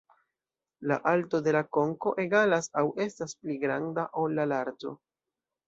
La alto de la konko egalas aŭ estas pli granda ol la larĝo.